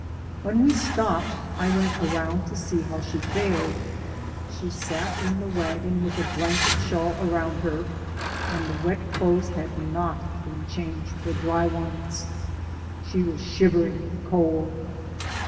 When we stopped I went around to see how she fared. She sat in the wagon with a blanket shawl around her, and the wet clothes had not been changed for dry ones. She was shivering with cold.